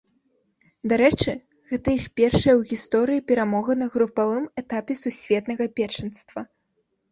Дарэчы, гэта іх першая ў гісторыі перамога на групавым этапе сусветнага першынства.